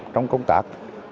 trong công tác